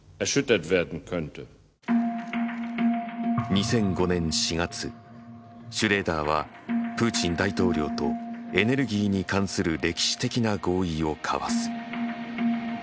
２００５年４月シュレーダーはプーチン大統領とエネルギーに関する歴史的な合意を交わす。